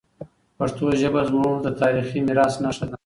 پښتو ژبه زموږ د تاریخي میراث نښه ده.